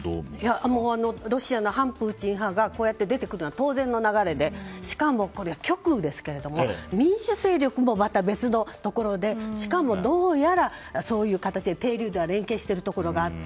ロシアの反プーチン派が出てくるのは当然の流れでしかも、極右ですけども民主勢力もまた別のところでしかも、どうやらそういう形で連携しているところがあって